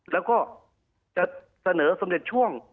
แล้วก็จะเสนอสมเด็จช่วง